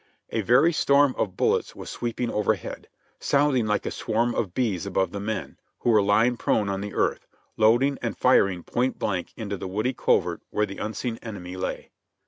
A very storm of bullets was sweeping overhead, sounding like a swarm of bees above the men, who were lying prone on the earth, loading and firing point blank into the woody covert where the unseen enemy lay.